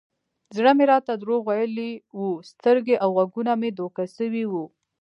زړه مې راته دروغ ويلي و سترګې او غوږونه مې دوکه سوي وو.